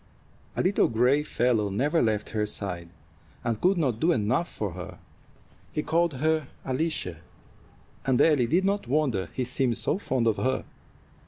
A little gray fellow never left her side, and could not do enough for her. He called her Alicia, and Ellie did not wonder he seemed so fond of her.